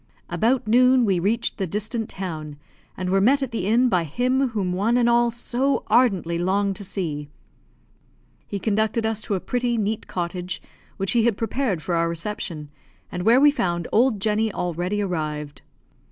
About noon we reached the distant town, and were met at the inn by him whom one and all so ardently longed to see. He conducted us to a pretty, neat cottage, which he had prepared for our reception, and where we found old Jenny already arrived.